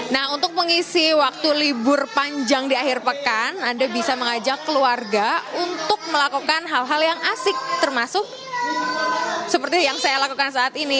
nah untuk mengisi waktu libur panjang di akhir pekan anda bisa mengajak keluarga untuk melakukan hal hal yang asik termasuk seperti yang saya lakukan saat ini